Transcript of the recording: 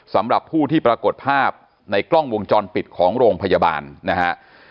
สำหรับผู้ที่ปรากฏภาพในกล้องวงจรปิดของโรงพยาบาลนะฮะ